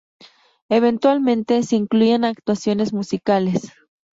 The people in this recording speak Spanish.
Eventualmente se incluían actuaciones musicales.